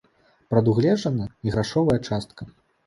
Прадугледжана і грашовая частка.